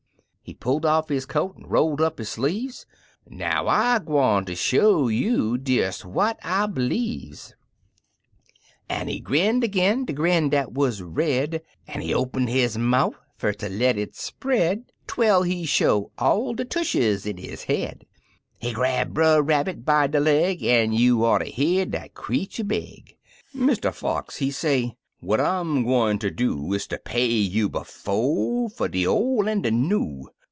" He pulled off his coat an' rolled up his sleeves — "Now. I'm gwine ter show you des what I b'lieves !" An' he grinned ag'in de grin dat wuz red, An' he opened his mouf fer ter let it spread Twel he show all de tushes in his head: He grab Brer Rabbit by de leg. An' you oughter hear dat creetur begt Mr. Fox, he say, " What I'm gwine ter do Is to pay you bofe fer de ol' an' de new!